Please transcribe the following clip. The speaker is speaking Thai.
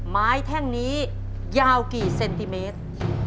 แท่งนี้ยาวกี่เซนติเมตร